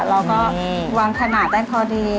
เราก็วางขนาดได้พอดี